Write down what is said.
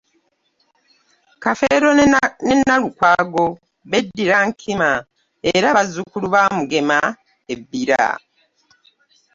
Kafeero ne Nalukwago beddira nkima era bazzukulu ba Mugema e Bbira.